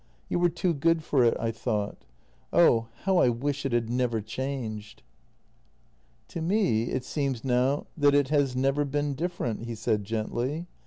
You were too good for it, I thought. Oh, how I wish it had never changed! " "To me it seems now that it has never been different," he said gently.